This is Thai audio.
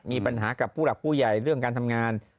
มีปัญหากับผู้หลักผู้ใหญ่เรื่องการทำงาน